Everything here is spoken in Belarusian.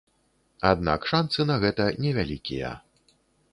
Аднак шанцы на гэта невялікія.